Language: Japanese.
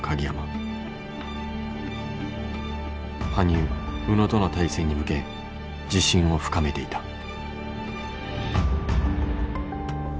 羽生宇野との対戦に向け自信を深めていた。